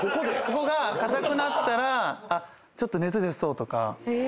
ここが硬くなったらちょっと熱出そうとか。